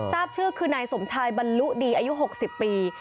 ทราบชื่อคือนายสมชายบรรลุดีอายุ๖๐ปี